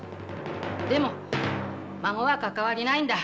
でも孫は関係ないんだ。